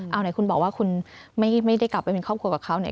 เอาไหนคุณบอกว่าคุณไม่ได้กลับไปเป็นครอบครัวกับเขาเนี่ย